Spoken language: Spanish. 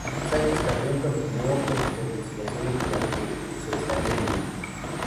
Sánchez Carrión continuó con sus investigaciones durante su estancia en Londres.